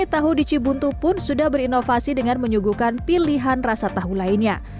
tahu di cibuntu pun sudah berinovasi dengan menyuguhkan pilihan rasa tahu lainnya